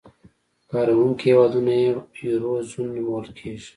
کاروونکي هېوادونه یې یورو زون نومول کېږي.